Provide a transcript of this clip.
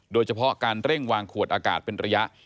โดยเฉพาะการเร่งวางขวดอากาศเป็นระยะ